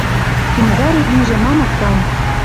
Кимӹ вӓрет лижӹ мамык гань.